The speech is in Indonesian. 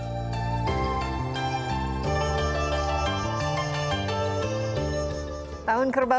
di sini apa kabar